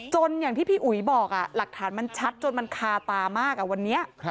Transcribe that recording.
อย่างที่พี่อุ๋ยบอกหลักฐานมันชัดจนมันคาตามากวันนี้